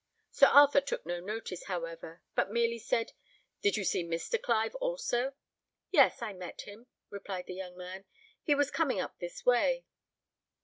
Sir Arthur took no notice, however, but merely said, "Did you see Mr. Clive, also?" "Yes, I met him," replied the young man; "he was coming up this way."